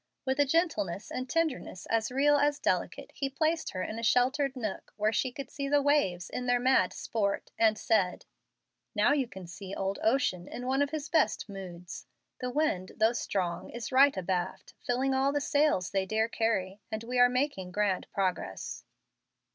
With a gentleness and tenderness as real as delicate, he placed her in a sheltered nook where she could see the waves in their mad sport, and said, "Now you can see old ocean in one of his best moods. The wind, though strong, is right abaft, filling all the sails they dare carry, and we are making grand progress."